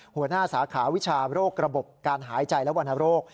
หัวหน้าสาขาวิชาโรคระบบการหายใจและวรรณโรค